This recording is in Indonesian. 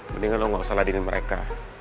mendingan lo gak usah ladenin mereka